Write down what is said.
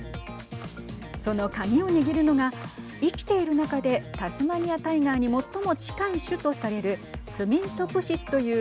その鍵を握るのが生きている中でタスマニア・タイガーに最も近い種とされるスミントプシスという